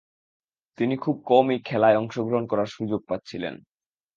তিনি খুব কমই খেলায় অংশগ্রহণ করার সুযোগ পাচ্ছিলেন।